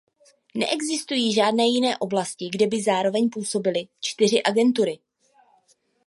Neexistují žádné jiné oblasti, kde by zároveň působily čtyři agentury.